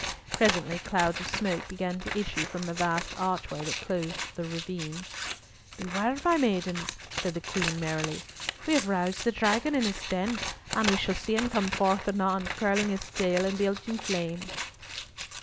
Presently clouds of smoke began to issue from the vast archway that closed the ravine. "Beware, my maidens," said the Queen, merrily, "we have roused the dragon in his den, and we shall see him come forth anon, curling his tail and belching flame."